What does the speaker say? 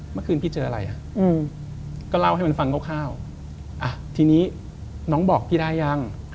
เมื่อคืนพี่เจออะไรอ่ะก็เล่าให้มันฟังคร่าวอ่ะทีนี้น้องบอกพี่ได้ยัง